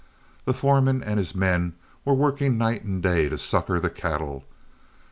The foreman and his men were working night and day to succor the cattle.